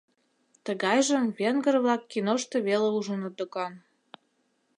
Тыгайжым венгр-влак киношто веле ужыныт докан.